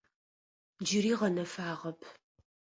Джыри гъэнэфагъэп.